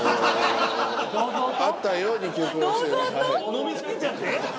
飲みすぎちゃって？